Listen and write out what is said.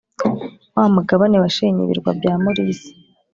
wa mugabe washenye ibirwa bya morise